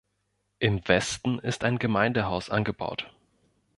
Im Westen ist ein Gemeindehaus angebaut.